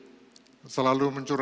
bapak presiden bapak jokowi